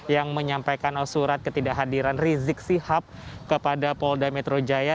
yang menyampaikan surat ketidakhadiran rizik sihab kepada polda metro jaya